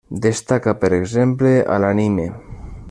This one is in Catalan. Destaca, per exemple, a l'anime.